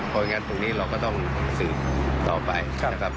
เพราะฉะนั้นตรงนี้เราก็ต้องสืบต่อไปนะครับ